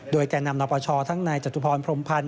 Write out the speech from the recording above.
โดยแก่นำนปชทั้งนายจตุพรพรมพันธ